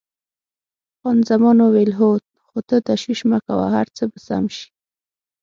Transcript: خان زمان وویل: هو، خو ته تشویش مه کوه، هر څه به سم شي.